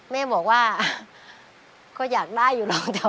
แม่บอกว่าเขาอยากได้อยู่รอ